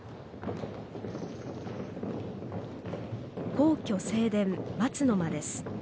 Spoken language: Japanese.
皇居正殿「松の間」です。